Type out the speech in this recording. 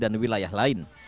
dan dari wilayah lain